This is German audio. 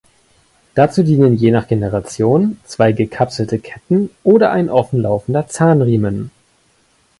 Dazu dienen je nach Generation zwei gekapselte Ketten oder ein offen laufender Zahnriemen.